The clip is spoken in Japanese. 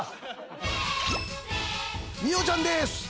未央ちゃんです。